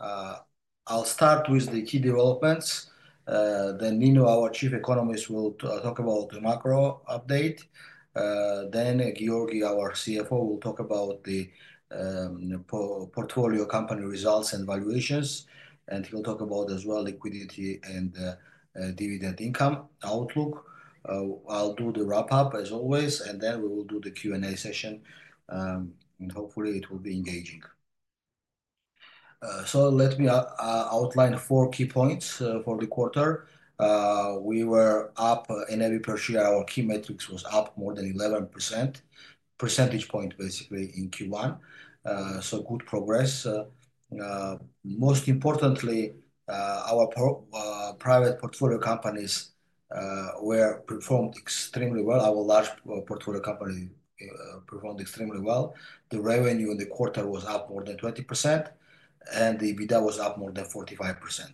I'll start with the key developments. Then Nino, our Chief Economist, will talk about the macro update. Then Giorgi, our CFO, will talk about the portfolio company results and valuations. He'll talk about, as well, liquidity and dividend income outlook. I'll do the wrap-up, as always, and then we will do the Q&A session, and hopefully, it will be engaging. Let me outline four key points for the quarter. We were up in every per share. Our key metrics was up more than 11 percentage points, basically, in Q1. Good progress. Most importantly, our private portfolio companies were performed extremely well. Our large portfolio company performed extremely well. The revenue in the quarter was up more than 20%, and the EBITDA was up more than 45%.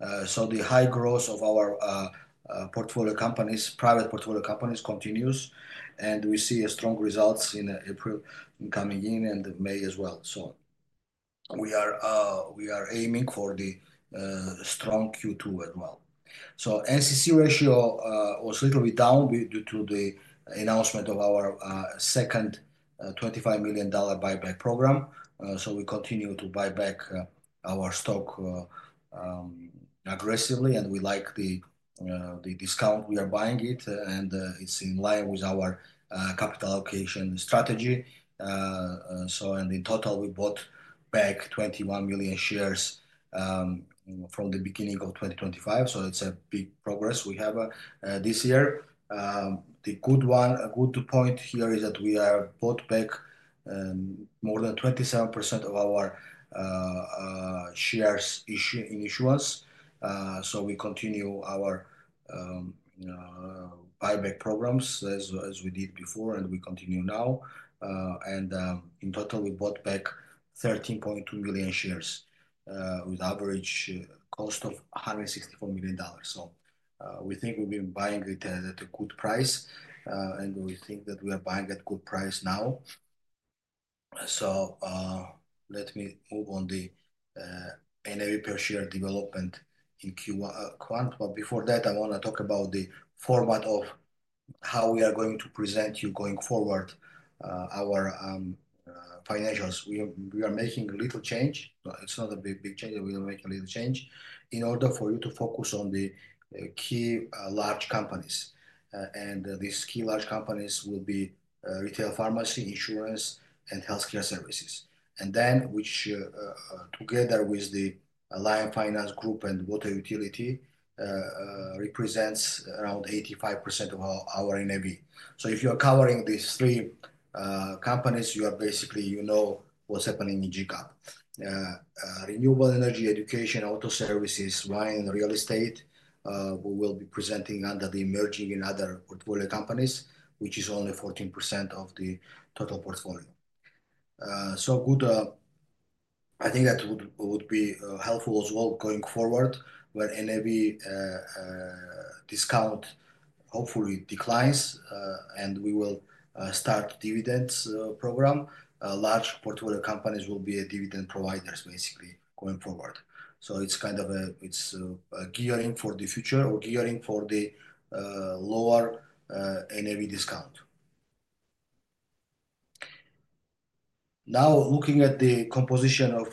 The high growth of our portfolio companies, private portfolio companies, continues, and we see strong results in April coming in and May as well. We are aiming for the strong Q2 as well. NCC ratio was a little bit down due to the announcement of our second $25 million buyback program. We continue to buy back our stock aggressively, and we like the discount. We are buying it, and it is in line with our capital allocation strategy. In total, we bought back 21 million shares from the beginning of 2025. It is a big progress we have this year. The good point here is that we have bought back more than 27% of our shares issued in issuance. We continue our buyback programs as we did before, and we continue now. and, in total, we bought back 13.2 million shares, with average cost of $164 million. We think we've been buying it at a good price, and we think that we are buying at a good price now. Let me move on to the NAV per share development in Q1. But before that, I wanna talk about the format of how we are going to present you, going forward, our financials. We are making a little change. No, it's not a big, big change. We are making a little change in order for you to focus on the key, large companies. These key large companies will be retail pharmacy, insurance, and healthcare services. Then, together with the Alliance Finance Group and water utility, this represents around 85% of our NAV. If you are covering these three companies, you are basically, you know, what's happening in GCAP. Renewable energy, education, auto services, wine, real estate, we will be presenting under the emerging and other portfolio companies, which is only 14% of the total portfolio. I think that would be helpful as well going forward when NAV discount hopefully declines, and we will start dividends program. Large portfolio companies will be dividend providers, basically, going forward. It's kind of a gearing for the future or gearing for the lower NAV discount. Now, looking at the composition of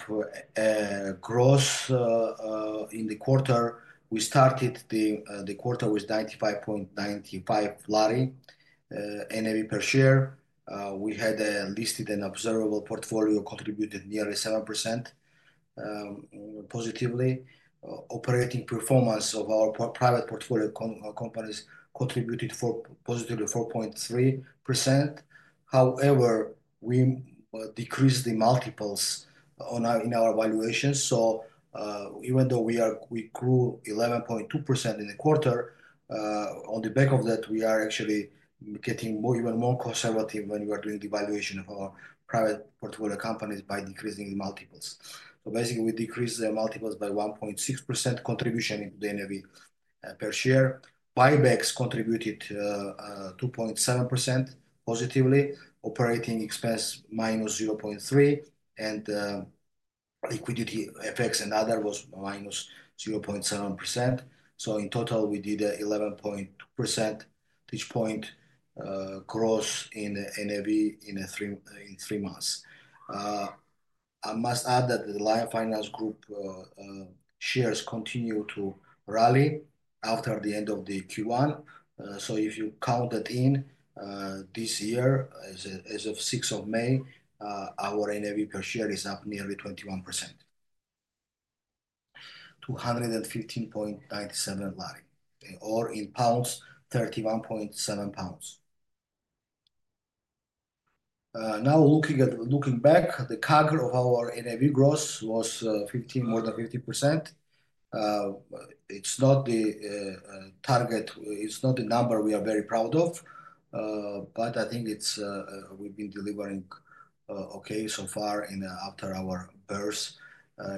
gross in the quarter, we started the quarter with GEL 95.95 NAV per share. We had listed and observable portfolio contributed nearly 7% positively. Operating performance of our private portfolio companies contributed positively 4.3%. However, we decreased the multiples on our, in our valuations. Even though we grew 11.2% in the quarter, on the back of that, we are actually getting even more conservative when we are doing the valuation of our private portfolio companies by decreasing the multiples. Basically, we decreased the multiples by 1.6% contribution into the NAV per share. Buybacks contributed 2.7% positively. Operating expense minus 0.3%, and liquidity effects and other was minus 0.7%. In total, we did 11.2% gross in NAV in three months. I must add that the Alliance Finance Group shares continue to rally after the end of Q1. If you count that in, this year as of 6th of May, our NAV per share is up nearly 21%, GEL 215.97, or in pounds, 31.7 pounds. Now looking back, the CAGR of our NAV gross was more than 15%. It's not the target. It's not the number we are very proud of, but I think we've been delivering okay so far after our burst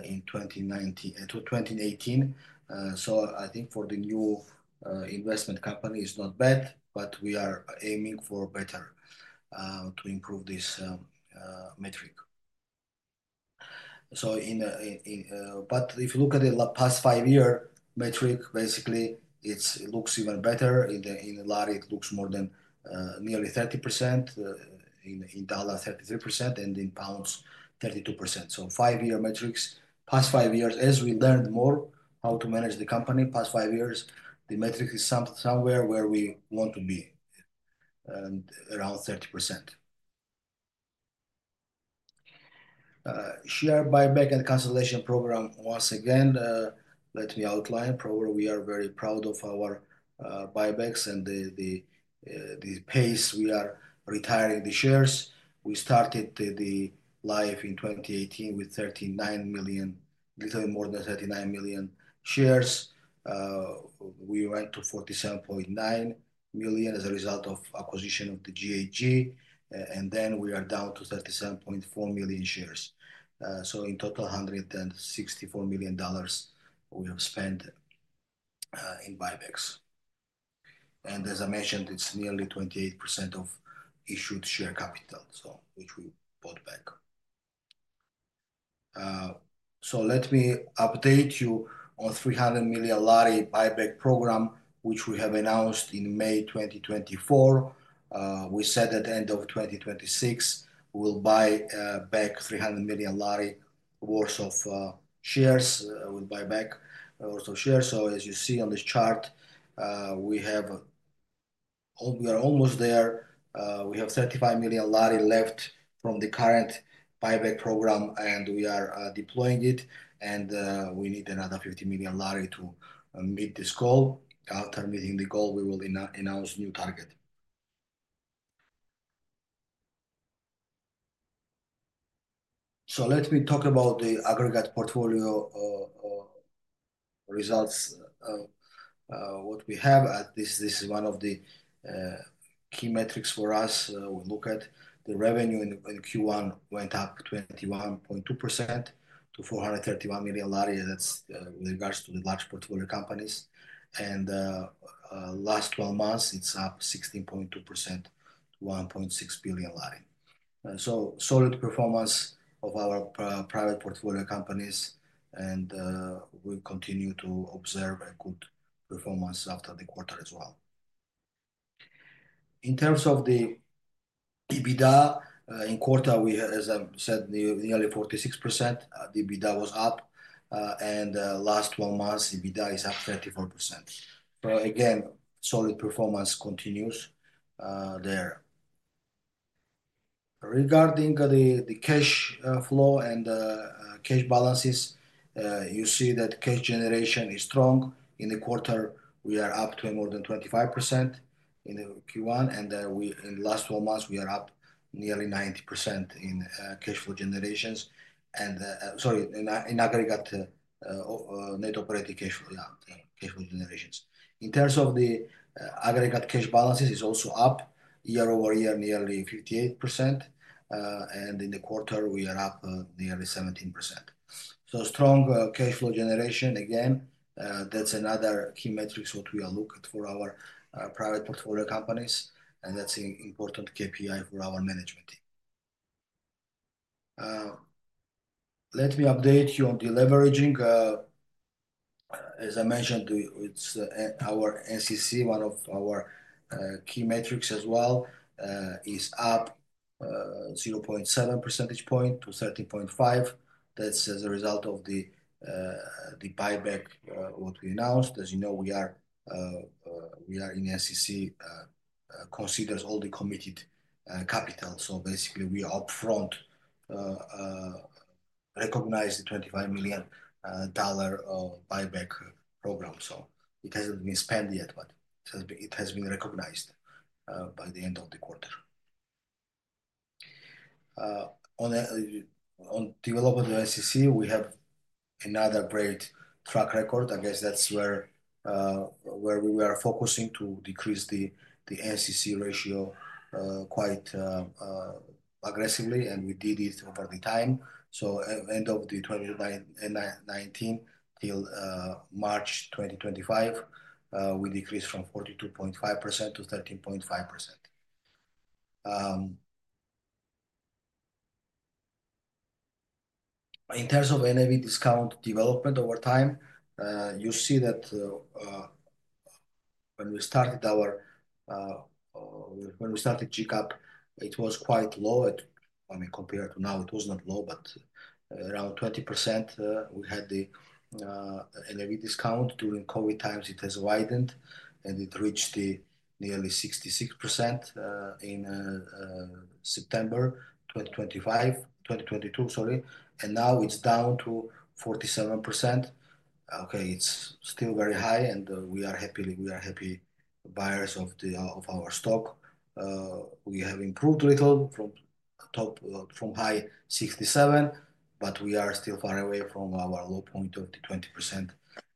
in 2019 to 2018. I think for the new investment company, it's not bad, but we are aiming for better, to improve this metric. If you look at the last five-year metric, basically, it looks even better. In GEL, it looks more than, nearly 30%. In dollar, 33%, and in pounds, 32%. Five-year metrics, past five years, as we learned more how to manage the company, past five years, the metric is somewhere where we want to be, and around 30%. Share buyback and consolidation program. Once again, let me outline, probably we are very proud of our buybacks and the pace we are retiring the shares. We started the life in 2018 with 39 million, little more than $39 million shares. We went to $47.9 million as a result of acquisition of the GAG, and then we are down to $37.4 million shares. In total, $164 million we have spent in buybacks. As I mentioned, it is nearly 28% of issued share capital, which we bought back. Let me update you on the GEL 300 million buyback program, which we have announced in May 2024. We said at the end of 2026, we will buy back GEL 300 million worth of shares. We will buy back worth of shares. As you see on this chart, we are almost there. We have GEL 35 million left from the current buyback program, and we are deploying it. We need another GEL 50 million to meet this goal. After meeting the goal, we will announce new target. Let me talk about the aggregate portfolio results. What we have at this, this is one of the key metrics for us. We look at the revenue in Q1, went up 21.2% to GEL 431 million. That is with regards to the large portfolio companies. Last 12 months, it is up 16.2% to GEL 1.6 billion. Solid performance of our private portfolio companies. We continue to observe a good performance after the quarter as well. In terms of the EBITDA, in quarter, we, as I said, nearly 46%. EBITDA was up, and last 12 months, EBITDA is up 34%. Again, solid performance continues there. Regarding the cash flow and cash balances, you see that cash generation is strong. In the quarter, we are up to more than 25% in Q1. In the last 12 months, we are up nearly 90% in cash flow generations. Sorry, in aggregate net operating cash flow, yeah, cash flow generations. In terms of the aggregate cash balances, it's also up year over year, nearly 58%, and in the quarter, we are up nearly 17%. Strong cash flow generation. Again, that's another key metrics what we are looking for our private portfolio companies. That's an important KPI for our management team. Let me update you on the leveraging. As I mentioned, our NCC, one of our key metrics as well, is up 0.7 percentage point to 13.5%. That's as a result of the buyback we announced. As you know, our NCC considers all the committed capital. Basically, we upfront recognize the $25 million buyback program. It hasn't been spent yet, but it has been recognized by the end of the quarter. On development of NCC, we have another great track record. I guess that's where we were focusing to decrease the NCC ratio quite aggressively. We did it over the time. End of 2019 till March 2025, we decreased from 42.5% to 13.5%. In terms of NAV discount development over time, you see that when we started our, when we started GCAP, it was quite low. I mean, compared to now, it was not low, but around 20%. We had the NAV discount during COVID times. It has widened, and it reached nearly 66% in September 2022, sorry. Now it's down to 47%. Okay. It's still very high, and we are happy buyers of our stock. We have improved a little from top, from high 67, but we are still far away from our low point of the 20%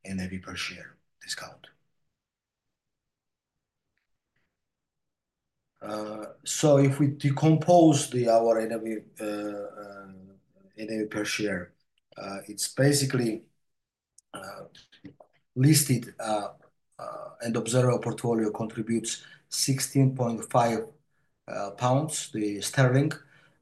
NAV per share discount. If we decompose our NAV, NAV per share, it is basically, listed and observable portfolio contributes 16.5 pounds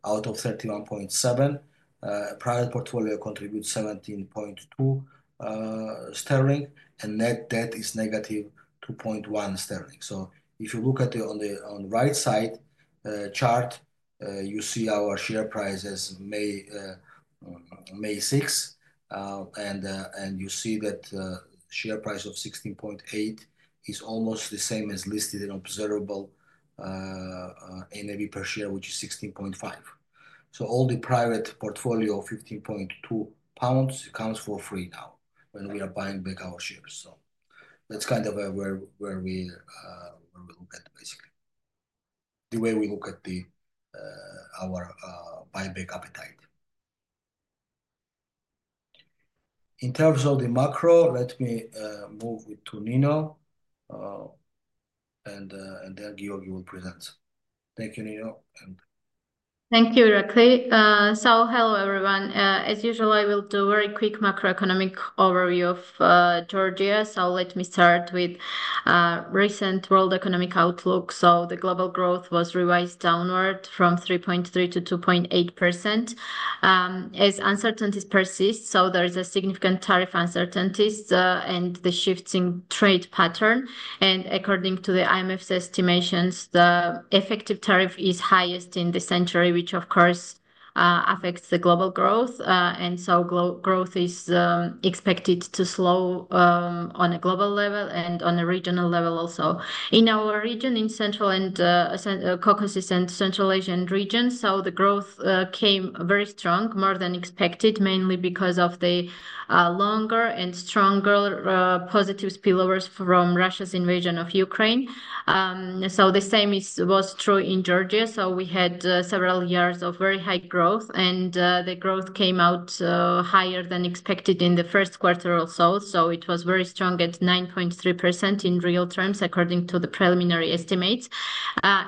out of 31.7. Private portfolio contributes 17.2 sterling, and net debt is negative 2.1 sterling. If you look at the, on the right side, chart, you see our share price as of May 6th, and you see that share price of 16.8 is almost the same as listed and observable NAV per share, which is 16.5. All the private portfolio of 15.2 pounds comes for free now when we are buying back our shares. That is kind of where we look at basically the way we look at our buyback appetite. In terms of the macro, let me move to Nino, and then Giorgi will present. Thank you, Nino. And thank you, Irakli. Hello everyone. As usual, I will do a very quick macroeconomic overview of Georgia. Let me start with recent world economic outlook. The global growth was revised downward from 3.3% to 2.8% as uncertainties persist. There is a significant tariff uncertainties, and the shifting trade pattern. According to the IMF's estimations, the effective tariff is highest in the century, which of course affects the global growth. Growth is expected to slow on a global level and on a regional level also in our region, in Central and Caucasus and Central Asian regions. The growth came very strong, more than expected, mainly because of the longer and stronger positive spillovers from Russia's invasion of Ukraine. The same was true in Georgia. We had several years of very high growth, and the growth came out higher than expected in the first quarter also. It was very strong at 9.3% in real terms according to the preliminary estimates.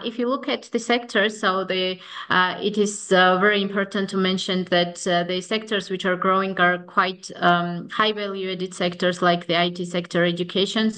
If you look at the sectors, it is very important to mention that the sectors which are growing are quite high value added sectors like the IT sector, education,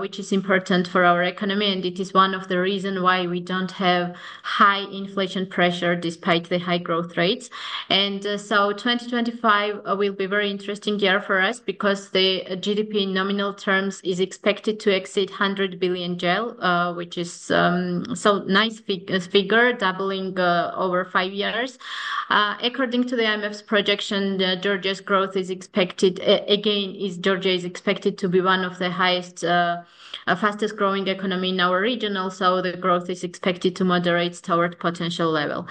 which is important for our economy, and it is one of the reasons why we do not have high inflation pressure despite the high growth rates. 2025 will be a very interesting year for us because the GDP in nominal terms is expected to exceed GEL 100 billion, which is a nice figure, doubling over five years. According to the IMF's projection, Georgia's growth is expected again, is Georgia is expected to be one of the highest, fastest growing economy in our region. Also, the growth is expected to moderate toward potential level.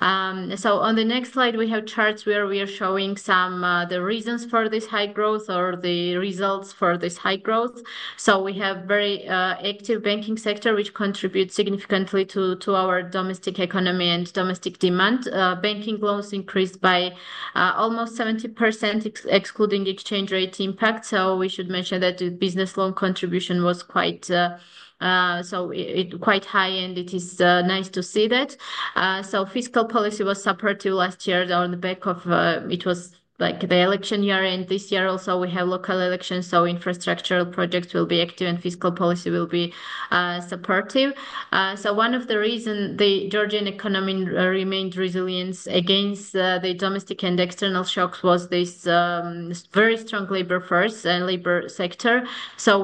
On the next slide, we have charts where we are showing some, the reasons for this high growth or the results for this high growth. We have very active banking sector, which contributes significantly to our domestic economy and domestic demand. Banking loans increased by almost 70% excluding exchange rate impact. We should mention that the business loan contribution was quite, so it quite high, and it is nice to see that. Fiscal policy was supportive last year on the back of, it was like the election year. This year also we have local elections. Infrastructural projects will be active and fiscal policy will be supportive. One of the reasons the Georgian economy remained resilient against the domestic and external shocks was this very strong labor force and labor sector.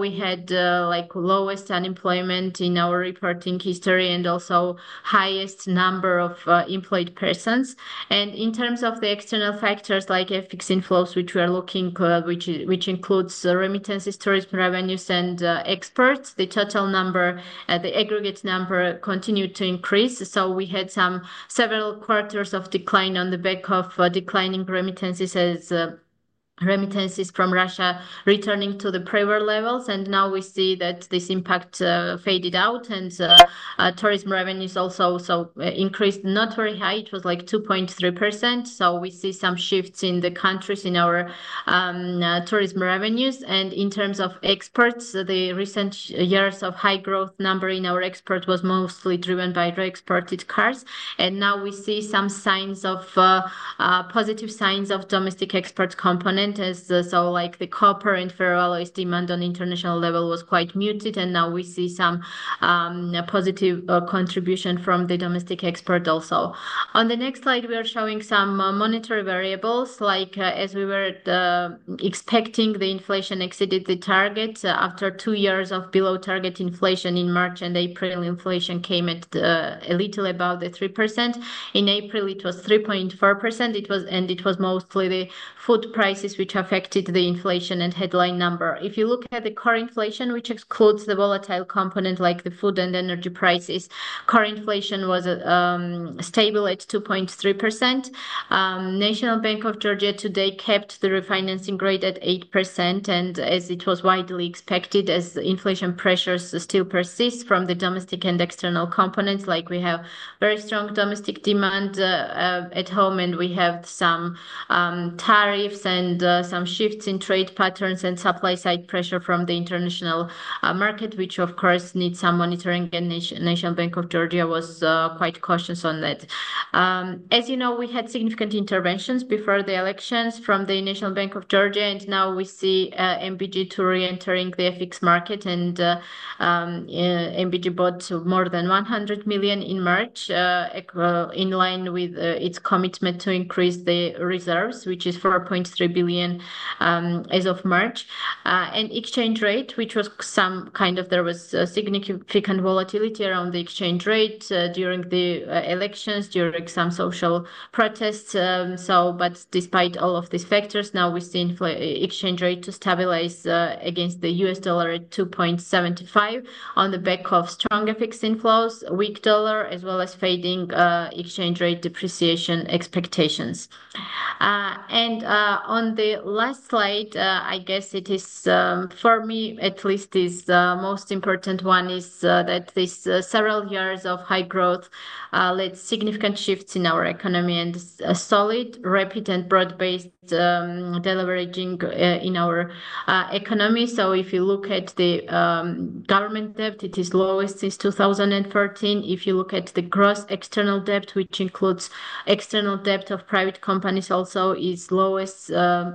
We had the lowest unemployment in our reporting history and also the highest number of employed persons. In terms of the external factors like fixed inflows, which we are looking at, which includes remittances, tourism revenues, and exports, the total number, the aggregate number, continued to increase. We had several quarters of decline on the back of declining remittances as remittances from Russia returned to the prior levels. Now we see that this impact faded out and tourism revenues also increased, not very high. It was like 2.3%. We see some shifts in the countries in our tourism revenues. In terms of exports, the recent years of high growth number in our export was mostly driven by exported cars. Now we see some signs of, positive signs of domestic export component as so like the copper and ferroalloy demand on international level was quite muted. Now we see some, positive contribution from the domestic export also. On the next slide, we are showing some monetary variables like, as we were expecting, the inflation exceeded the target after two years of below target inflation. In March and April, inflation came at, a little above the 3%. In April, it was 3.4%. It was, and it was mostly the food prices which affected the inflation and headline number. If you look at the core inflation, which excludes the volatile component like the food and energy prices, core inflation was, stable at 2.3%. National Bank of Georgia today kept the refinancing rate at 8%. As it was widely expected, as inflation pressures still persist from the domestic and external components, like we have very strong domestic demand at home, and we have some tariffs and some shifts in trade patterns and supply side pressure from the international market, which of course needs some monitoring. National Bank of Georgia was quite cautious on that. As you know, we had significant interventions before the elections from the National Bank of Georgia. Now we see NBG re-entering the FX market. NBG bought more than $100 million in March, in line with its commitment to increase the reserves, which is GEL 4.3 billion as of March, and exchange rate, which was some kind of, there was significant volatility around the exchange rate during the elections, during some social protests. So, but despite all of these factors, now we see exchange rate to stabilize, against the US dollar at $2.75 on the back of stronger fixed inflows, weak dollar, as well as fading, exchange rate depreciation expectations. And, on the last slide, I guess it is, for me at least, is, most important one is, that this several years of high growth, led significant shifts in our economy and solid, rapid, and broad-based, deliveraging, in our, economy. So if you look at the, government debt, it is lowest since 2014. If you look at the gross external debt, which includes external debt of private companies, also is lowest,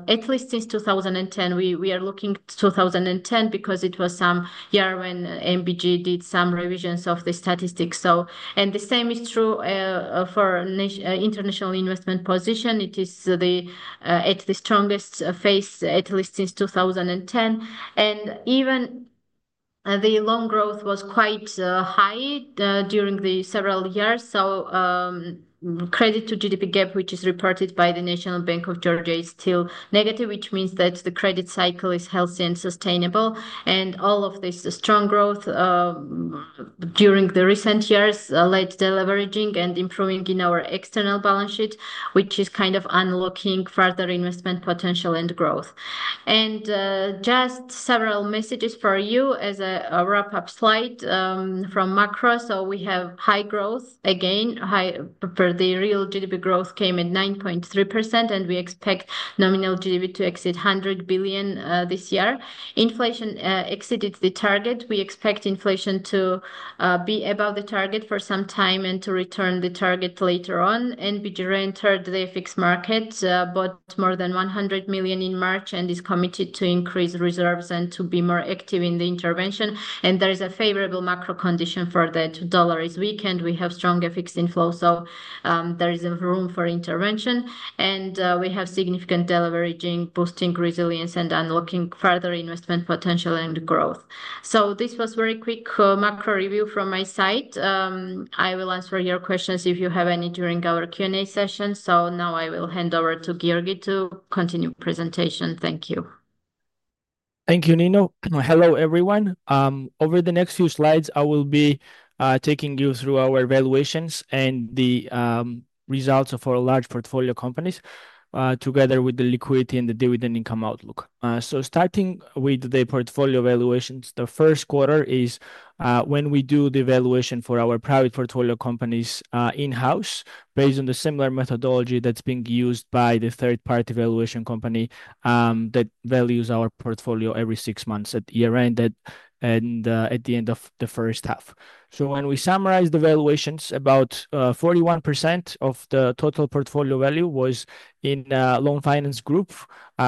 at least since 2010. We are looking to 2010 because it was some year when NBG did some revisions of the statistics. So, and the same is true, for national international investment position. It is at the strongest phase at least since 2010. Even the loan growth was quite high during the several years. Credit to GDP gap, which is reported by the National Bank of Georgia, is still negative, which means that the credit cycle is healthy and sustainable. All of this strong growth during the recent years led to deleveraging and improving in our external balance sheet, which is kind of unlocking further investment potential and growth. Just several messages for you as a wrap-up slide from macro. We have high growth again, high for the real GDP growth came at 9.3%, and we expect nominal GDP to exceed GEL 100 billion this year. Inflation exceeded the target. We expect inflation to be above the target for some time and to return to the target later on. NBG re-entered the FX market, bought more than GEL 100 million in March and is committed to increase reserves and to be more active in the intervention. There is a favorable macro condition for that. Dollar is weak and we have stronger fixed inflow. There is a room for intervention, and we have significant deleveraging, boosting resilience and unlocking further investment potential and growth. This was a very quick macro review from my side. I will answer your questions if you have any during our Q&A session. Now I will hand over to Giorgi to continue presentation. Thank you. Thank you, Nino. Hello everyone. Over the next few slides, I will be taking you through our evaluations and the results of our large portfolio companies, together with the liquidity and the dividend income outlook. Starting with the portfolio evaluations, the first quarter is when we do the evaluation for our private portfolio companies in-house based on the similar methodology that's being used by the third-party valuation company that values our portfolio every six months at year-end and at the end of the first half. When we summarize the valuations, about 41% of the total portfolio value was in Loan Finance Group,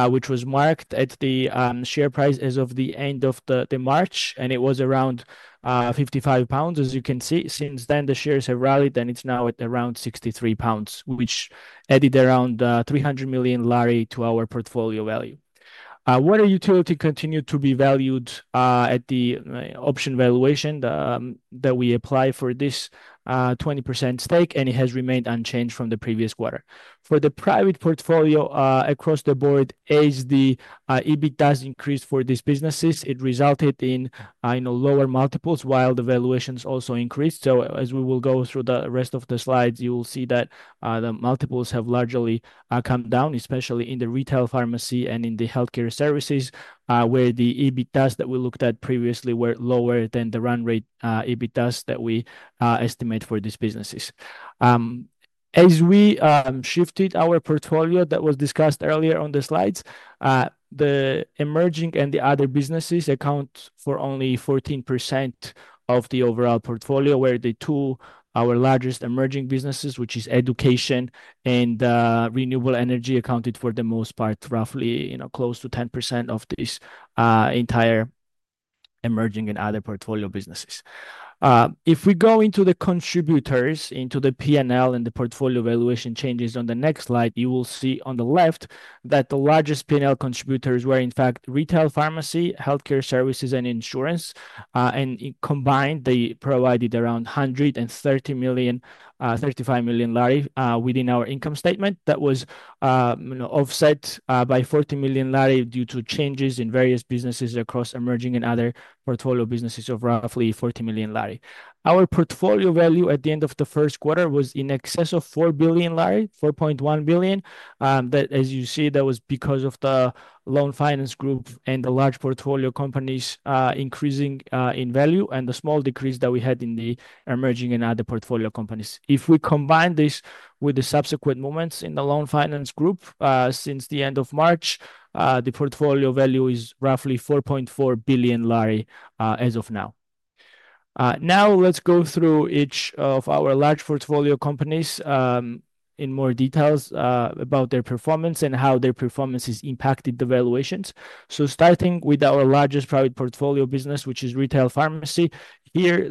which was marked at the share price as of the end of March, and it was around 55 pounds. As you can see, since then the shares have rallied and it's now at around 63 pounds, which added around GEL 300 million to our portfolio value. Water utility continued to be valued at the option valuation that we apply for this 20% stake, and it has remained unchanged from the previous quarter. For the private portfolio, across the board, as the EBITDAs increase for these businesses, it resulted in, you know, lower multiples while the valuations also increased. As we will go through the rest of the slides, you will see that the multiples have largely come down, especially in the retail pharmacy and in the healthcare services, where the EBITDAs that we looked at previously were lower than the run rate EBITDAs that we estimate for these businesses. As we shifted our portfolio that was discussed earlier on the slides, the emerging and the other businesses account for only 14% of the overall portfolio, where the two, our largest emerging businesses, which is education and renewable energy, accounted for the most part, roughly, you know, close to 10% of this entire emerging and other portfolio businesses. If we go into the contributors, into the P&L and the portfolio valuation changes on the next slide, you will see on the left that the largest P&L contributors were in fact retail pharmacy, healthcare services, and insurance. And combined, they provided around GEL 130 million, GEL 35 million, within our income statement. That was, you know, offset, by GEL 40 million due to changes in various businesses across emerging and other portfolio businesses of roughly GEL 40 million. Our portfolio value at the end of the first quarter was in excess of GEL 4 billion, GEL 4.1 billion. That, as you see, that was because of the Loan Finance Group and the large portfolio companies, increasing, in value and the small decrease that we had in the emerging and other portfolio companies. If we combine this with the subsequent moments in the Loan Finance Group, since the end of March, the portfolio value is roughly GEL 4.4 billion, as of now. Now let's go through each of our large portfolio companies, in more detail, about their performance and how their performance has impacted the valuations. Starting with our largest private portfolio business, which is retail pharmacy here,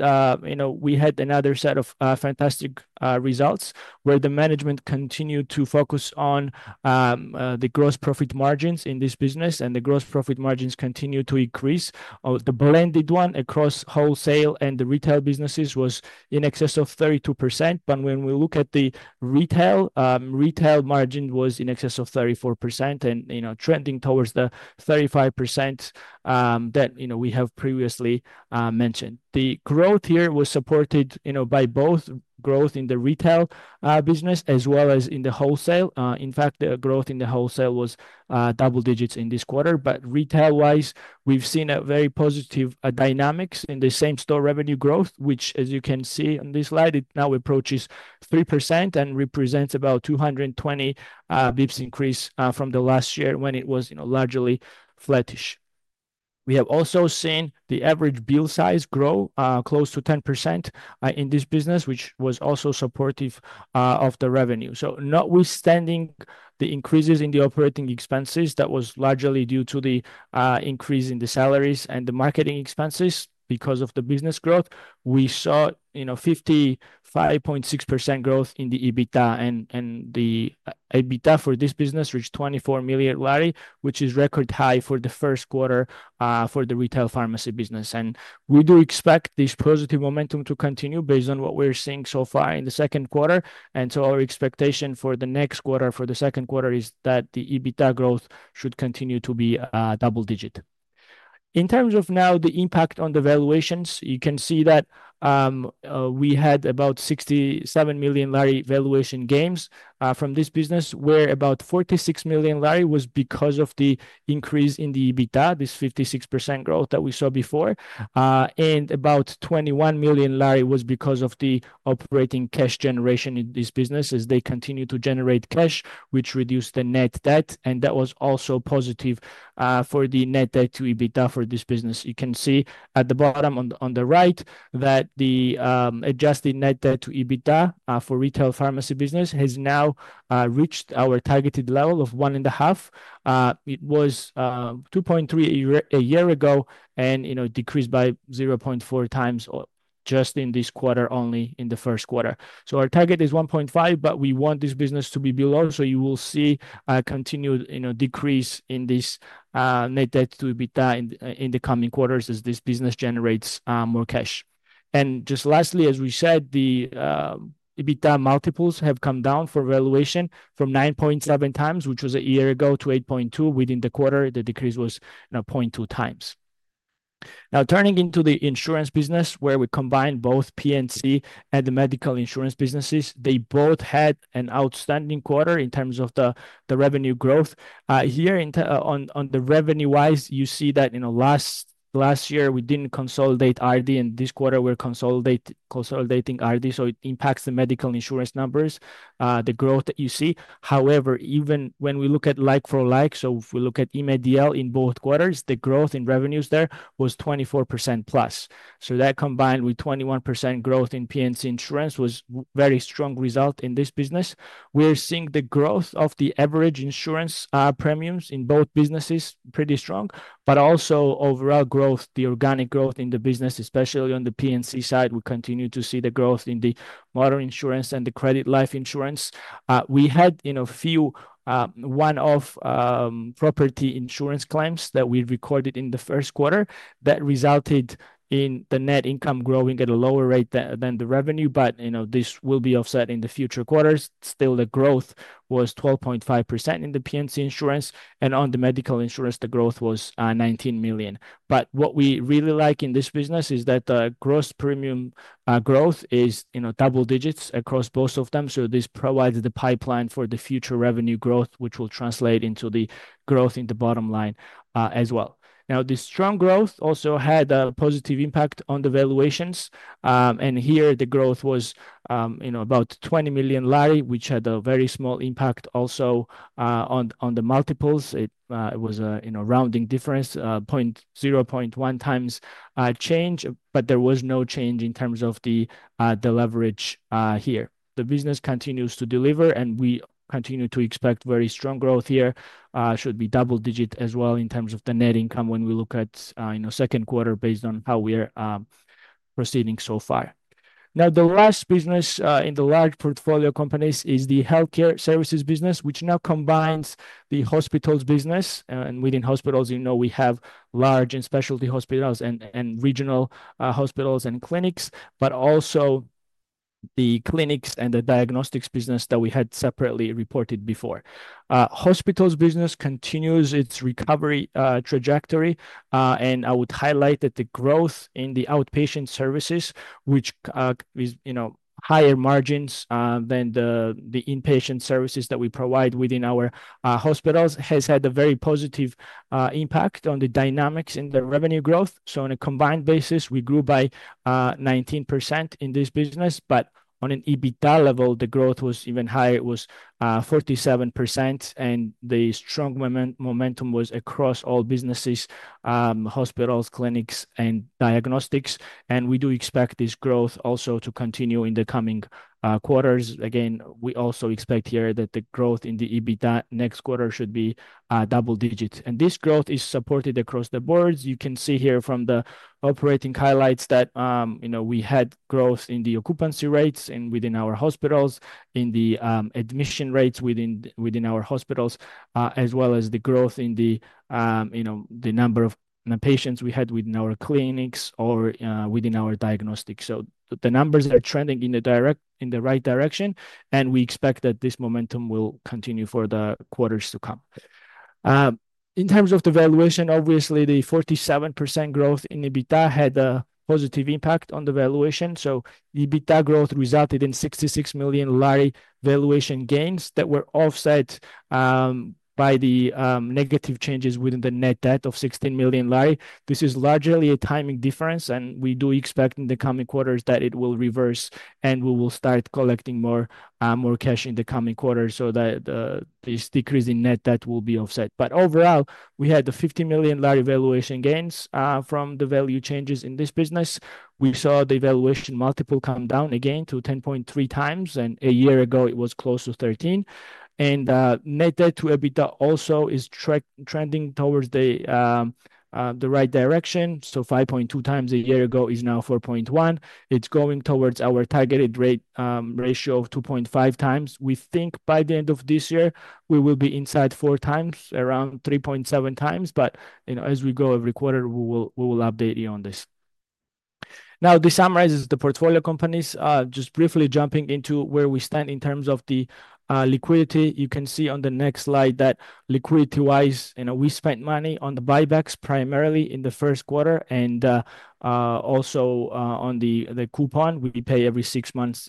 you know, we had another set of fantastic results where the management continued to focus on the gross profit margins in this business, and the gross profit margins continued to increase. The blended one across wholesale and the retail businesses was in excess of 32%. When we look at the retail, retail margin was in excess of 34% and, you know, trending towards the 35% that, you know, we have previously mentioned. The growth here was supported, you know, by both growth in the retail business as well as in the wholesale. In fact, the growth in the wholesale was double digits in this quarter. Retail-wise, we have seen a very positive dynamics in the same store revenue growth, which, as you can see on this slide, it now approaches 3% and represents about 220 points increase from the last year when it was, you know, largely flattish. We have also seen the average bill size grow close to 10% in this business, which was also supportive of the revenue. Notwithstanding the increases in the operating expenses, that was largely due to the increase in the salaries and the marketing expenses because of the business growth. We saw, you know, 55.6% growth in the EBITDA and the EBITDA for this business, which is GEL 24 million, which is record high for the first quarter, for the retail pharmacy business. We do expect this positive momentum to continue based on what we're seeing so far in the second quarter. Our expectation for the next quarter, for the second quarter, is that the EBITDA growth should continue to be double digit. In terms of now the impact on the valuations, you can see that we had about GEL 67 million valuation gains from this business, where about GEL 46 million was because of the increase in the EBITDA, this 56% growth that we saw before. About GEL 21 million was because of the operating cash generation in this business as they continue to generate cash, which reduced the net debt. That was also positive for the net debt to EBITDA for this business. You can see at the bottom on the right that the adjusted net debt to EBITDA for retail pharmacy business has now reached our targeted level of 1.5. It was 2.3 a year ago and, you know, decreased by 0.4 times just in this quarter, only in the first quarter. Our target is 1.5, but we want this business to be below. You will see a continued, you know, decrease in this net debt to EBITDA in the coming quarters as this business generates more cash. Just lastly, as we said, the EBITDA multiples have come down for valuation from 9.7 times, which was a year ago, to 8.2 within the quarter. The decrease was, you know, 0.2 times. Now turning into the insurance business, where we combine both P&C and the medical insurance businesses, they both had an outstanding quarter in terms of the revenue growth. Here, on the revenue-wise, you see that, you know, last year we did not consolidate RD and this quarter we are consolidating RD. So it impacts the medical insurance numbers, the growth that you see. However, even when we look at like for like, so if we look at EMADL in both quarters, the growth in revenues there was 24% plus. That combined with 21% growth in P&C insurance was a very strong result in this business. We are seeing the growth of the average insurance premiums in both businesses pretty strong, but also overall growth, the organic growth in the business, especially on the P&C side. We continue to see the growth in the motor insurance and the credit life insurance. We had, you know, a few, one-off, property insurance claims that we recorded in the first quarter that resulted in the net income growing at a lower rate than the revenue. You know, this will be offset in the future quarters. Still, the growth was 12.5% in the P&C insurance. On the medical insurance, the growth GEL 19 million. What we really like in this business is that the gross premium growth is, you know, double digits across both of them. This provides the pipeline for the future revenue growth, which will translate into the growth in the bottom line, as well. This strong growth also had a positive impact on the valuations. Here the growth was, you know, about GEL 20 million, which had a very small impact also on the multiples. It was a, you know, rounding difference, 0.1 times change, but there was no change in terms of the leverage here. The business continues to deliver and we continue to expect very strong growth here, should be double digit as well in terms of the net income when we look at, you know, second quarter based on how we are proceeding so far. Now, the last business in the large portfolio companies is the healthcare services business, which now combines the hospitals business. Within hospitals, you know, we have large and specialty hospitals and regional hospitals and clinics, but also the clinics and the diagnostics business that we had separately reported before. Hospitals business continues its recovery trajectory. I would highlight that the growth in the outpatient services, which is, you know, higher margins than the inpatient services that we provide within our hospitals, has had a very positive impact on the dynamics in the revenue growth. On a combined basis, we grew by 19% in this business, but on an EBITDA level, the growth was even higher. It was 47%, and the strong momentum was across all businesses, hospitals, clinics, and diagnostics. We do expect this growth also to continue in the coming quarters. Again, we also expect here that the growth in the EBITDA next quarter should be double digits. This growth is supported across the boards. You can see here from the operating highlights that, you know, we had growth in the occupancy rates and within our hospitals, in the admission rates within our hospitals, as well as the growth in the, you know, the number of patients we had within our clinics or within our diagnostics. So the numbers are trending in the right direction, and we expect that this momentum will continue for the quarters to come. In terms of the valuation, obviously the 47% growth in EBITDA had a positive impact on the valuation. So the EBITDA growth resulted in GEL 66 million valuation gains that were offset by the negative changes within the net debt of GEL 16 million. This is largely a timing difference, and we do expect in the coming quarters that it will reverse and we will start collecting more cash in the coming quarters so that this decrease in net debt will be offset. Overall, we had the GEL 50 million valuation gains from the value changes in this business. We saw the valuation multiple come down again to 10.3 times, and a year ago it was close to 13. Net debt to EBITDA also is trending towards the right direction. 5.2 times a year ago is now 4.1. It is going towards our targeted ratio of 2.5 times. We think by the end of this year we will be inside four times, around 3.7 times. You know, as we go every quarter, we will update you on this. Now, this summarizes the portfolio companies. Just briefly jumping into where we stand in terms of the liquidity, you can see on the next slide that liquidity-wise, you know, we spent money on the buybacks primarily in the first quarter and also on the coupon we pay every six months,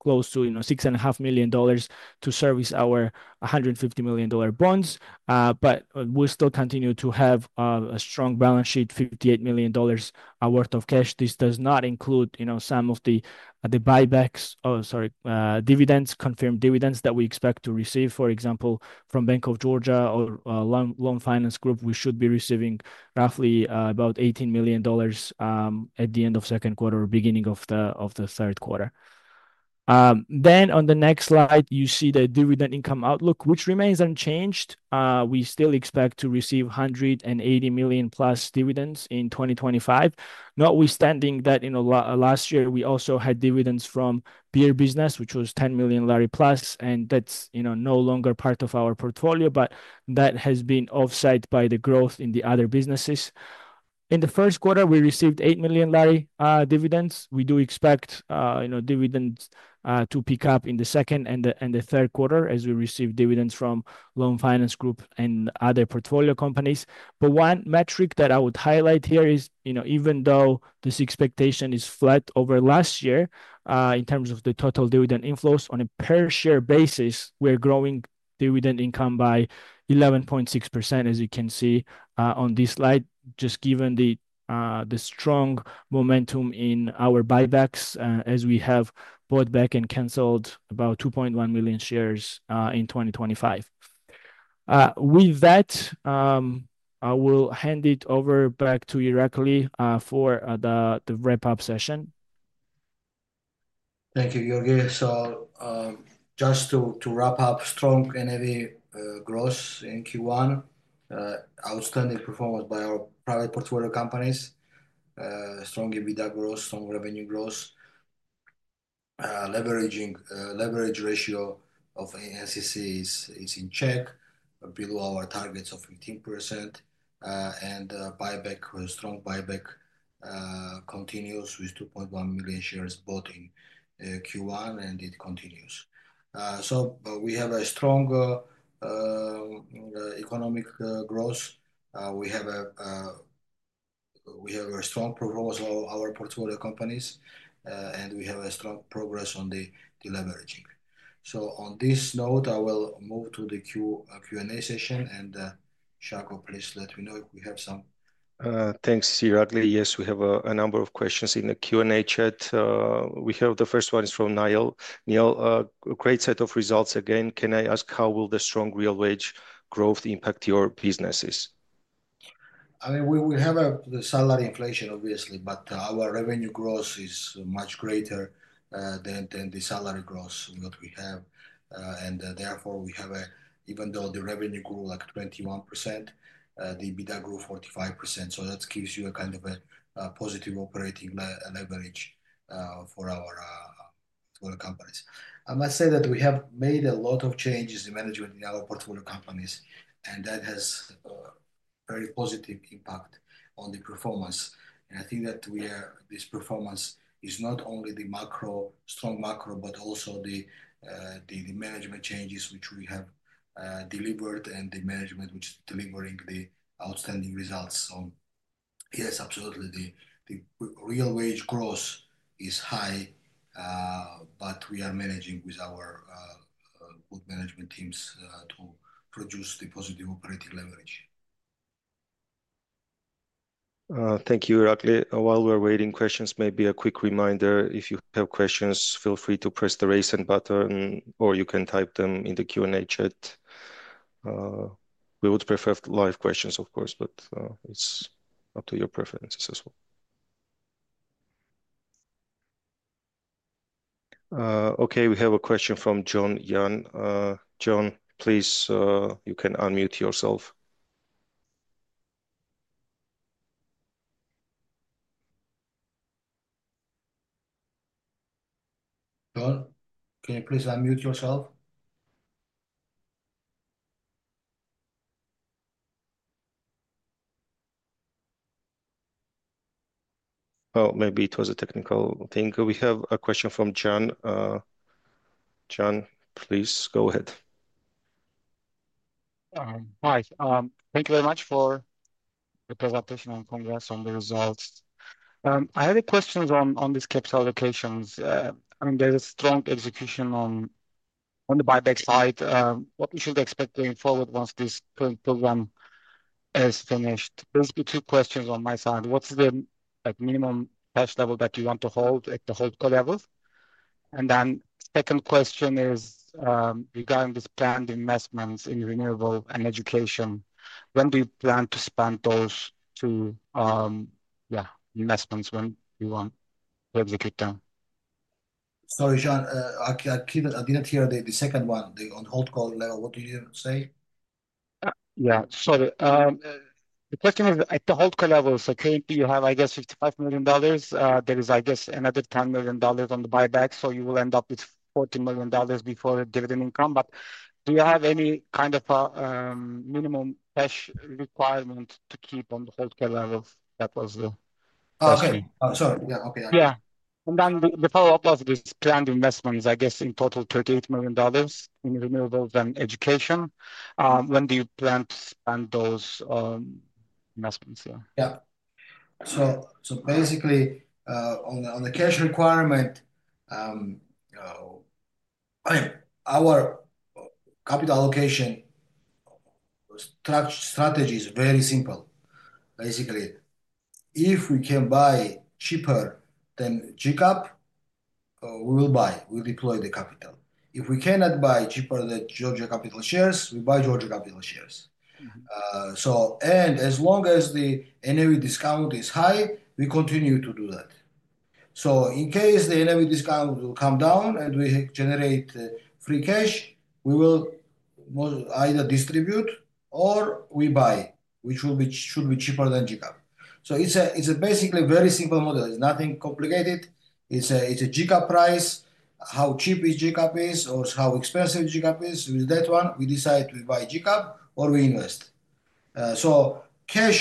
close to, you know, GEL 6.5 million to service our GEL 150 million bonds. We still continue to have a strong balance sheet, GEL 58 million worth of cash. This does not include, you know, some of the buybacks, sorry, dividends, confirmed dividends that we expect to receive, for example, from Bank of Georgia or Loan Finance Group. We should be receiving roughly about GEL 18 million at the end of the second quarter or beginning of the third quarter. On the next slide, you see the dividend income outlook, which remains unchanged. We still expect to receive GEL 180 million plus dividends in 2025. Notwithstanding that, you know, last year we also had dividends from beer and distribution business, which was GEL 10 million plus, and that's, you know, no longer part of our portfolio, but that has been offset by the growth in the other businesses. In the first quarter, we received GEL 8 million dividends. We do expect, you know, dividends to pick up in the second and the, and the third quarter as we receive dividends from Loan Finance Group and other portfolio companies. But one metric that I would highlight here is, you know, even though this expectation is flat over last year, in terms of the total dividend inflows on a per share basis, we're growing dividend income by 11.6%, as you can see, on this slide, just given the strong momentum in our buybacks, as we have bought back and canceled about 2.1 million shares, in 2025. With that, I will hand it over back to Irakli, for the wrap-up session. Thank you, Giorgi. Just to wrap up, strong NAV growth in Q1, outstanding performance by our private portfolio companies, strong EBITDA growth, strong revenue growth, leverage ratio of NCC is in check, below our targets of 15%, and buyback, strong buyback, continues with 2.1 million shares bought in Q1 and it continues. We have a strong economic growth. We have a strong proposal of our portfolio companies, and we have strong progress on the deleveraging. On this note, I will move to the Q&A session. Shako, please let me know if we have some. Thanks, Irakli. Yes, we have a number of questions in the Q and A chat. The first one is from Niall. Niall, great set of results again. Can I ask how will the strong real wage growth impact your businesses? I mean, we have salary inflation, obviously, but our revenue growth is much greater than the salary growth that we have. Therefore, even though the revenue grew like 21%, the EBITDA grew 45%. That gives you a kind of positive operating leverage for our portfolio companies. I must say that we have made a lot of changes in management in our portfolio companies, and that has a very positive impact on the performance. I think that this performance is not only the strong macro, but also the management changes which we have delivered and the management which is delivering the outstanding results on. Yes, absolutely. The real wage growth is high, but we are managing with our good management teams to produce the positive operating leverage. Thank you, Irakli. While we're waiting for questions, maybe a quick reminder. If you have questions, feel free to press the raise hand button or you can type them in the Q&A chat. We would prefer live questions, of course, but it's up to your preferences as well. Okay. We have a question from John Young. John, please, you can unmute yourself. John, can you please unmute yourself? Oh, maybe it was a technical thing. We have a question from John. John, please go ahead. Hi. Thank you very much for your presentation and congrats on the results. I have a question on these capital allocations. I mean, there is a strong execution on the buyback side. What should we expect going forward once this program is finished? Basically, two questions on my side. What is the minimum cash level that you want to hold at the hold level? And then second question is regarding this planned investments in renewable and education, when do you plan to spend those two investments, when you want to execute them? Sorry, John, I did not hear the second one, the on hold call level. What did you say? Yeah, sorry. The question is at the hold call level, so currently you have, I guess, $55 million. There is, I guess, another $10 million on the buyback, so you will end up with $40 million before dividend income. Do you have any kind of a minimum cash requirement to keep on the hold call level? That was the question. Oh, sorry. Yeah. Okay. Yeah. The follow-up of this planned investments, I guess, in total $38 million in renewables and education. When do you plan to spend those investments? Yeah. Yeah. Basically, on the cash requirement, I mean, our capital allocation strategy is very simple. Basically, if we can buy cheaper than GCAP, we will buy, we'll deploy the capital. If we cannot buy cheaper than Georgia Capital shares, we buy Georgia Capital shares. As long as the NAV discount is high, we continue to do that. In case the NAV discount will come down and we generate free cash, we will either distribute or we buy, which should be cheaper than GCAP. It is a basically very simple model. It is nothing complicated. It is a GCAP price, how cheap GCAP is, or how expensive GCAP is. With that one, we decide we buy GCAP or we invest. Cash,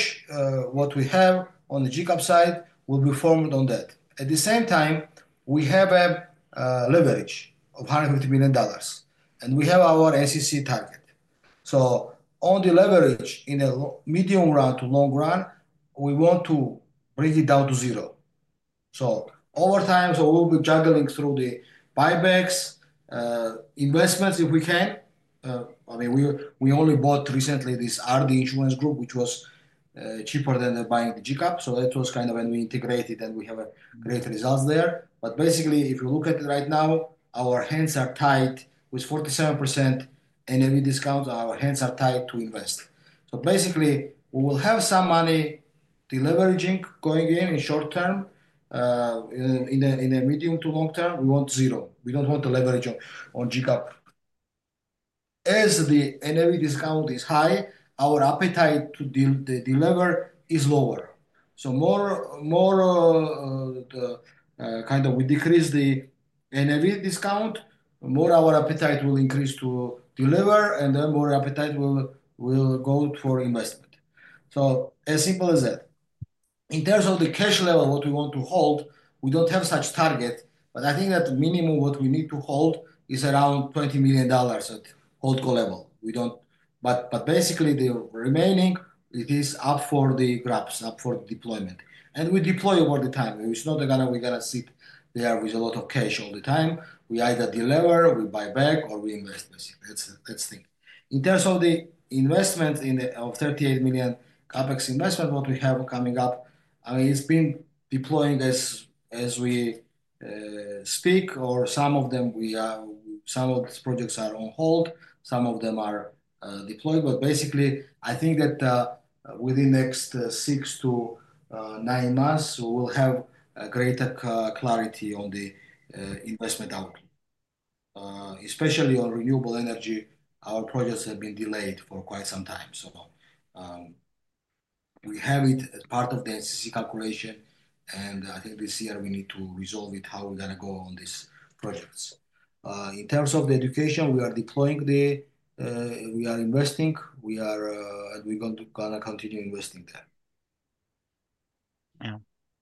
what we have on the GCAP side, will be formed on that. At the same time, we have a leverage of $150 million and we have our SEC target. On the leverage in a medium run to long run, we want to bring it down to zero. Over time, we will be juggling through the buybacks, investments if we can. I mean, we only bought recently this RD Insurance Group, which was cheaper than buying the GCAP. That was kind of when we integrated and we have great results there. Basically, if you look at it right now, our hands are tied with 47% NAV discount. Our hands are tied to invest. We will have some money deleveraging going in, in short term, in the medium to long term, we want zero. We do not want to leverage on GCAP. As the NAV discount is high, our appetite to deliver is lower. The more we decrease the NAV discount, the more our appetite will increase to deliver and the more appetite will go for investment. As simple as that. In terms of the cash level, what we want to hold, we do not have such target, but I think that minimum what we need to hold is around $20 million at hold call level. Basically, the remaining, it is up for the grabs, up for the deployment. We deploy over the time. It is not gonna, we are not gonna sit there with a lot of cash all the time. We either deliver, we buy back, or we invest. Basically, that is the thing. In terms of the investment in the, of $38 million CapEx investment, what we have coming up, I mean, it is been deploying as we speak, or some of them, we are, some of these projects are on hold, some of them are deployed. Basically, I think that within the next six to nine months, we will have greater clarity on the investment outlook. Especially on renewable energy, our projects have been delayed for quite some time. We have it as part of the NCC calculation, and I think this year we need to resolve how we are going to go on these projects. In terms of the education, we are deploying, we are investing, we are, and we are going to continue investing there. Yeah.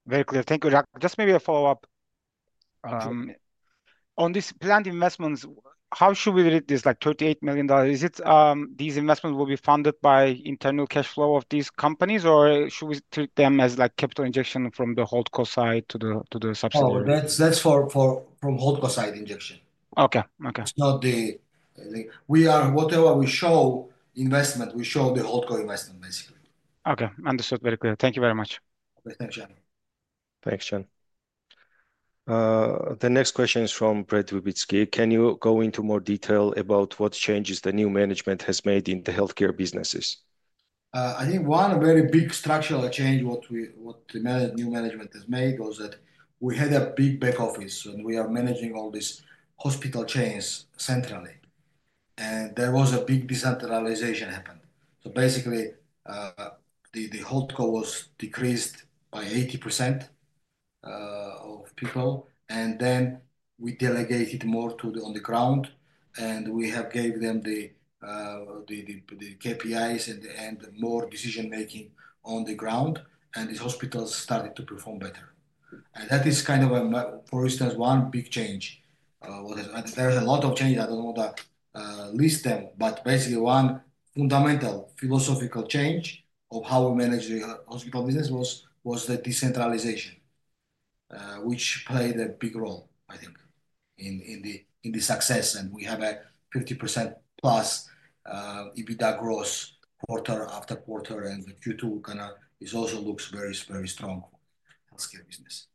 Very clear. Thank you, Irakli. Just maybe a follow-up. On these planned investments, how should we read this? Like $38 million, is it, these investments will be funded by internal cash flow of these companies, or should we treat them as capital injection from the hold call side to the subsidiary? Oh, that is from hold call side injection. Okay. Okay. It's not the, we are whatever we show investment, we show the hold call investment basically. Okay. Understood. Very clear. Thank you very much. Thanks, John. Thanks, John. The next question is from Brett Wibitzki. Can you go into more detail about what changes the new management has made in the healthcare businesses? I think one very big structural change, what the new management has made was that we had a big back office and we are managing all these hospital chains centrally. There was a big decentralization happened. Basically, the hold call was decreased by 80% of people. Then we delegated more to the, on the ground, and we have gave them the KPIs and more decision making on the ground. These hospitals started to perform better. That is kind of a, for instance, one big change, what has, there is a lot of change. I do not want to list them, but basically one fundamental philosophical change of how we manage the hospital business was the decentralization, which played a big role, I think, in the success. We have a 50% plus EBITDA growth quarter-after quarter. The Q2 kind of also looks very, very strong for healthcare business.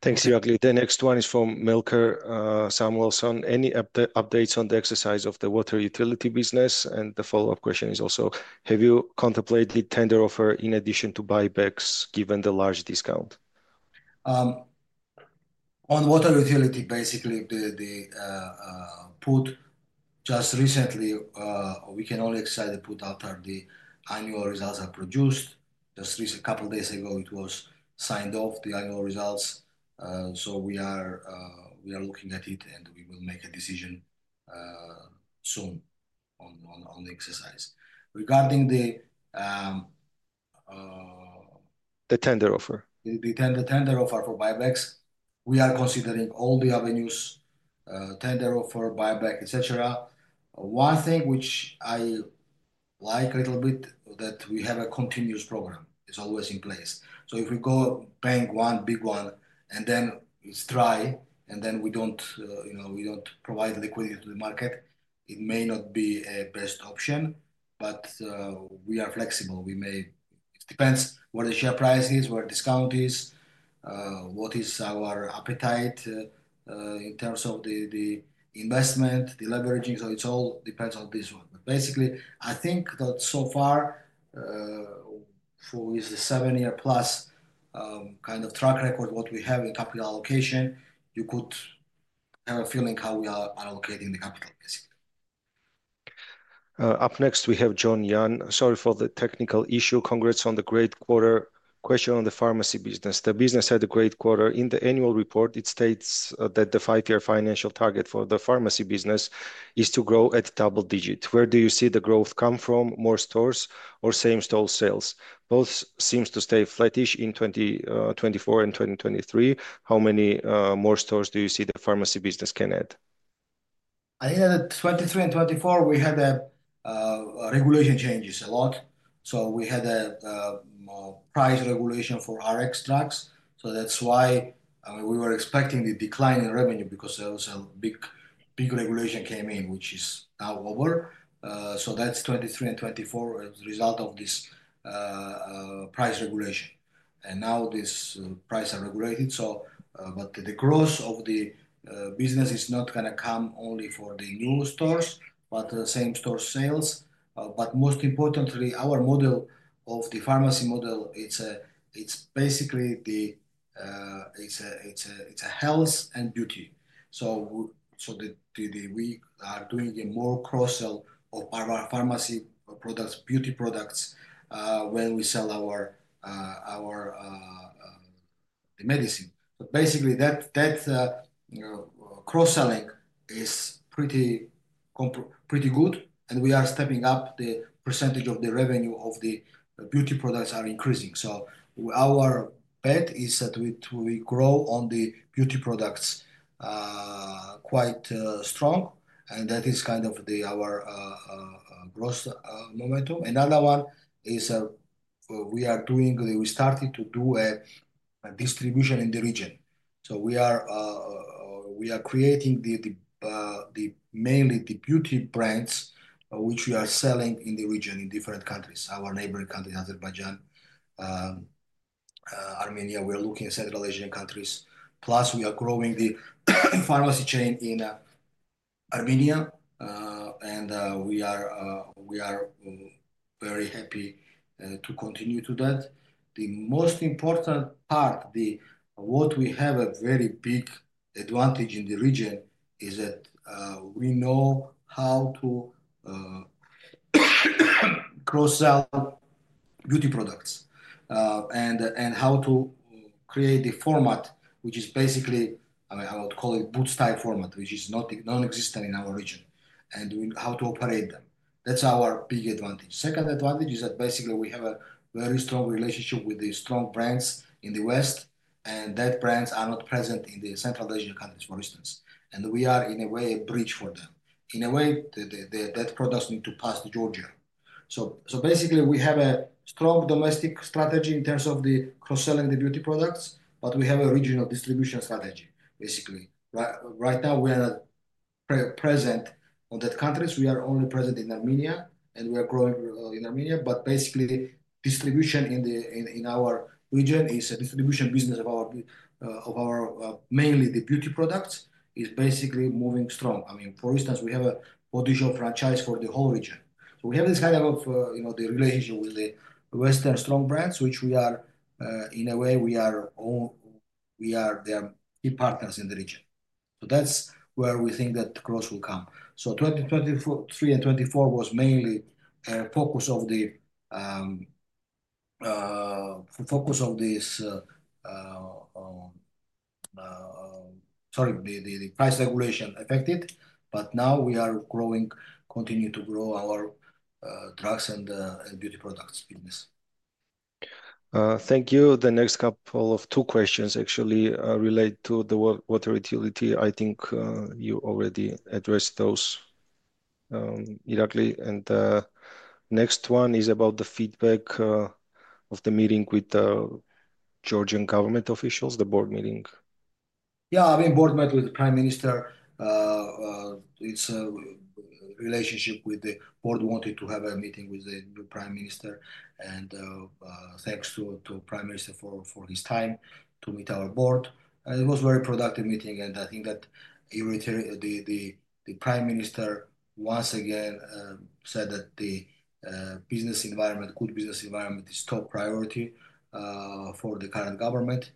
Thanks, Irakli. The next one is from Milker Samuelson. Any updates on the exercise of the water utility business? The follow-up question is also, have you contemplated the tender offer in addition to buybacks given the large discount? On water utility, basically the put just recently, we can only excite the put after the annual results are produced. Just recently, a couple of days ago, it was signed off, the annual results. We are looking at it and we will make a decision soon on the exercise. Regarding the tender offer, the tender offer for buybacks, we are considering all the avenues, tender offer, buyback, et cetera. One thing which I like a little bit that we have a continuous program is always in place. If we go bank one, big one, and then we try, and then we do not, you know, we do not provide liquidity to the market, it may not be a best option, but we are flexible. We may, it depends what the share price is, what discount is, what is our appetite in terms of the investment, the leveraging. It all depends on this one. Basically, I think that so far, for with the seven year plus, kind of track record, what we have in capital allocation, you could have a feeling how we are allocating the capital basically. Up next we have John Young. Sorry for the technical issue. Congrats on the great quarter. Question on the pharmacy business. The business had a great quarter. In the annual report, it states that the five year financial target for the pharmacy business is to grow at double-digit. Where do you see the growth come from? More stores or same store sales? Both seem to stay flattish in 2024 and 2023. How many more stores do you see the pharmacy business can add? I think that at 2023 and 2024, we had a regulation changes a lot. So we had a price regulation for RX drugs. That's why we were expecting the decline in revenue because there was a big, big regulation that came in, which is now over. That's 2023 and 2024 as a result of this price regulation. Now this price is regulated. The growth of the business is not gonna come only from the new stores, but the same store sales. Most importantly, our model of the pharmacy model, it's basically a health and beauty. We are doing more cross-sell of our pharmacy products, beauty products, when we sell our medicine. Basically, that cross-selling is pretty, pretty good. We are stepping up, and the percentage of the revenue of the beauty products is increasing. Our bet is that we grow on the beauty products quite strong. That is kind of our growth momentum. Another one is, we started to do a distribution in the region. We are creating mainly the beauty brands, which we are selling in the region in different countries, our neighboring countries, Azerbaijan, Armenia. We are looking at Central Asian countries. Plus, we are growing the pharmacy chain in Armenia, and we are very happy to continue that. The most important part, what we have a very big advantage in the region is that we know how to cross-sell beauty products, and how to create the format, which is basically, I mean, I would call it boot style format, which is non-existent in our region. We know how to operate them. That is our big advantage. Second advantage is that basically we have a very strong relationship with the strong brands in the West, and that brands are not present in the Central Asian countries, for instance. We are in a way a bridge for them. In a way, the products need to pass to Georgia. Basically, we have a strong domestic strategy in terms of cross-selling the beauty products, but we have a regional distribution strategy. Right now we are not present in those countries. We are only present in Armenia and we are growing in Armenia. Basically, distribution in our region is a distribution business of our, mainly the beauty products, is basically moving strong. I mean, for instance, we have a Body Shop franchise for the whole region. We have this kind of, you know, the relationship with the Western strong brands, which we are, in a way we are own, we are their key partners in the region. That is where we think that growth will come. 2023 and 2024 was mainly a focus of the, focus of this, sorry, the price regulation affected. Now we are growing, continue to grow our drugs and beauty products business. Thank you. The next couple of two questions actually relate to the water utility. I think you already addressed those, Irakli. The next one is about the feedback of the meeting with Georgian government officials, the board meeting. Yeah, I mean, board met with the Prime Minister. It is a relationship with the board wanted to have a meeting with the Prime Minister. Thanks to the Prime Minister for his time to meet our board. It was a very productive meeting. I think the Prime Minister once again said that the business environment, good business environment, is top priority for the current government.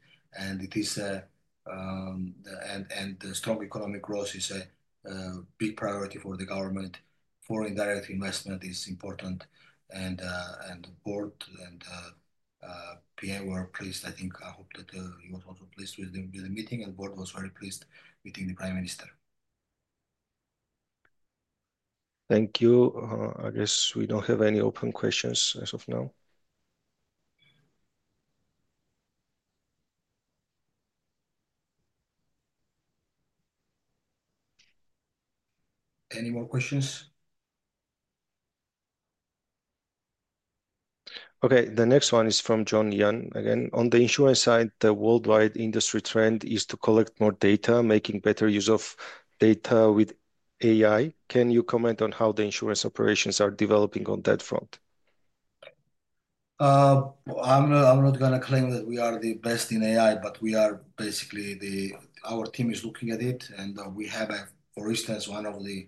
The strong economic growth is a big priority for the government. Foreign direct investment is important and board and Prime Minister were pleased. I think, I hope that he was also pleased with the meeting and board was very pleased meeting the Prime Minister. Thank you. I guess we do not have any open questions as of now. Any more questions? Okay. The next one is from John Young. Again, on the insurance side, the worldwide industry trend is to collect more data, making better use of data with AI. Can you comment on how the insurance operations are developing on that front? I'm not gonna claim that we are the best in AI, but we are basically, our team is looking at it and we have, for instance, one of the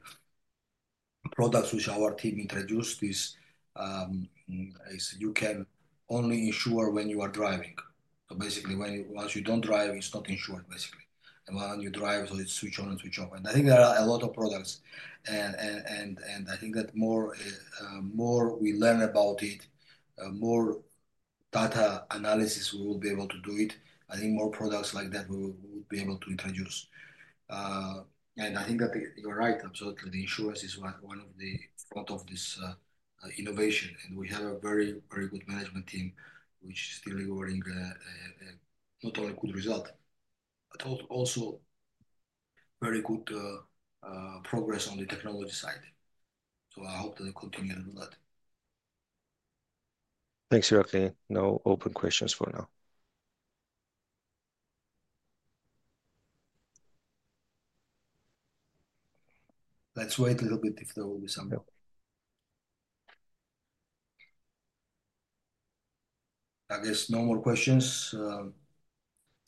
products which our team introduced is you can only insure when you are driving. So basically, once you do not drive, it is not insured. When you drive, it is switch-on and switch-off. I think there are a lot of products, and I think that the more we learn about it, more data analysis we will be able to do. I think more products like that we would be able to introduce. I think that you are right. Absolutely, the insurance is one of the front of this innovation. We have a very, very good management team, which is delivering not only good result, but also very good progress on the technology side. I hope that they continue to do that. Thanks, Irakli. No open questions for now. Let's wait a little bit if there will be some. I guess no more questions.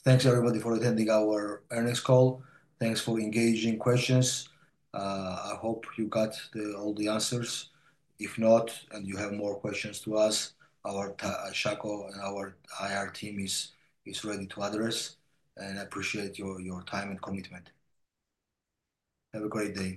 Thanks everybody for attending our earnings call. Thanks for engaging questions. I hope you got all the answers. If not, and you have more questions to us, our Shako and our IR team is ready to address. I appreciate your time and commitment. Have a great day.